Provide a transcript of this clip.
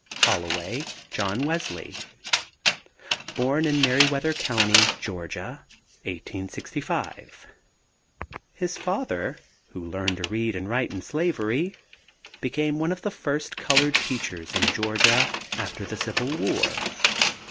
HOLLOWAY, JOHN WESLEY. Born in Merriweather County, Ga, 1865. His father, who learned to read and write in slavery, became one of the first colored teachers in Georgia after the Civil War.